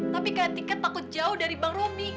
tapi kayak tiket takut jauh dari bang romy